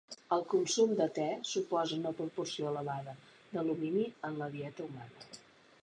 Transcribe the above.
El consum de te suposa una proporció elevada d'alumini en la dieta humana.